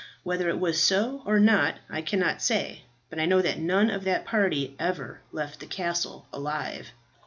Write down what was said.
Whether it was so or not I cannot say, but I know that none of that party ever left the castle alive.